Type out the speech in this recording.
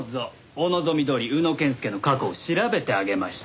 お望みどおり宇野健介の過去を調べてあげました。